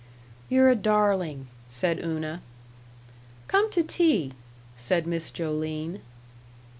'" "You're a darling," said Una. "Come to tea," said Miss Joline.